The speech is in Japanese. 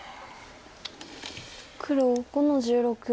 黒５の十六。